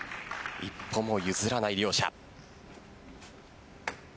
一歩も譲らない両者。